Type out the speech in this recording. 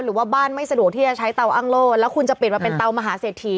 หรือว่าบ้านไม่สะดวกที่จะใช้เตาอ้างโล่แล้วคุณจะเปลี่ยนมาเป็นเตามหาเศรษฐี